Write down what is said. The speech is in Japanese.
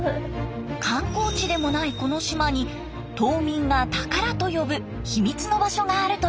観光地でもないこの島に島民が宝と呼ぶ秘密の場所があるといいます。